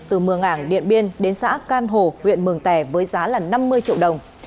từ mường ảng điện biên đến xã can hồ huyện mường tè với giá là năm mươi triệu đồng